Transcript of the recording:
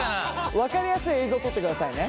分かりやすい映像撮ってくださいね。